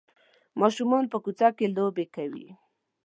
ماشومان په کوڅه کې لوبې کوي.